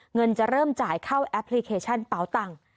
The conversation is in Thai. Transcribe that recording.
เงินจะเริ่มจ่ายเข้าแอปพลิเคชันเป๋าตังค์